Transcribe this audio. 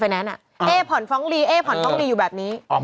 ไอ้มิ้นเลขมาก